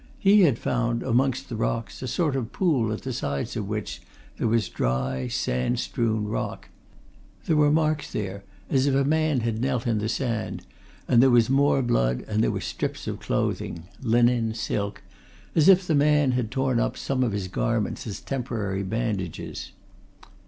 He had found, amongst the rocks, a sort of pool at the sides of which there was dry, sand strewn rock; there were marks there as if a man had knelt in the sand, and there was more blood, and there were strips of clothing linen, silk, as if the man had torn up some of his garments as temporary bandages.